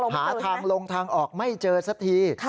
หาทางลงทางออกไม่เจอสักที